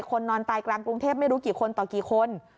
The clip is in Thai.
คนนอนตายกลางกรุงเทพไม่รู้กี่คนต่อกี่คน